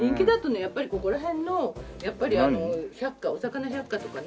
やっぱりここら辺のやっぱり百科お魚百科とかね。